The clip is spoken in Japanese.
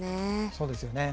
そうですよね。